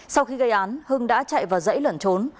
sau khi gây án hưng đã chạy vào dãy lẩn trốn